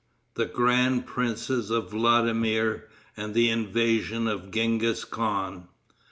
THE GRAND PRINCES OF VLADIMIR, AND THE INVASION OF GENGHIS KHAN.